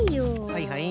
はいはい。